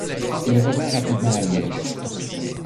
Il revint rapidement à Liège.